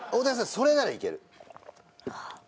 それならいける